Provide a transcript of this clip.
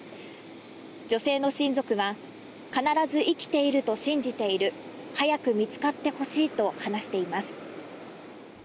女性の親族は必ず生きていると信じている早く見つかってほしいと話しています。